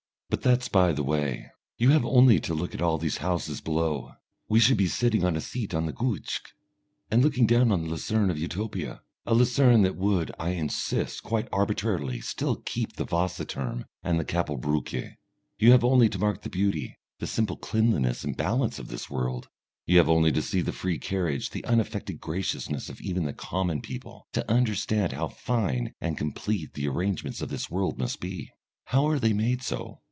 But that's by the way.... You have only to look at all these houses below. (We should be sitting on a seat on the Gutsch and looking down on the Lucerne of Utopia, a Lucerne that would, I insist, quite arbitrarily, still keep the Wasserthurm and the Kapellbrucke.) You have only to mark the beauty, the simple cleanliness and balance of this world, you have only to see the free carriage, the unaffected graciousness of even the common people, to understand how fine and complete the arrangements of this world must be. How are they made so?